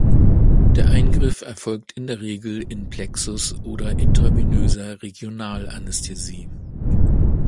Der Eingriff erfolgt in der Regel in Plexus- oder intravenöser Regionalanästhesie.